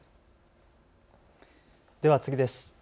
では次です。